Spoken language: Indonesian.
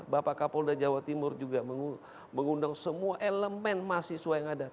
bapak kapolda jawa timur juga mengundang semua elemen mahasiswa yang ada